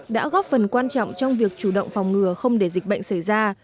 đã góp phần quan trọng trong việc chủ động phòng ngừa không để dịch bệnh xảy ra